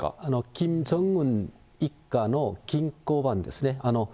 キム・ジョンウン一家の金庫番ですね。